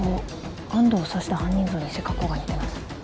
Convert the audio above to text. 安藤を刺した犯人像に背格好が似てます。